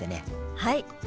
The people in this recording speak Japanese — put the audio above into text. はい。